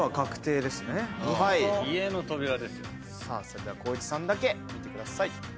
それでは光一さんだけ見てください。